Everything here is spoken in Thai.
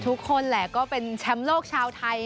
ทุกคนแหละก็เป็นแชมป์โลกชาวไทย